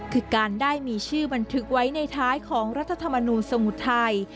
คือการได้มีชื่อบันทึกไว้ในท้ายของรัฐธรรมนูลสมุทรไทย